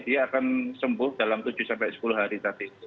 dia akan sembuh dalam tujuh sampai sepuluh hari tadi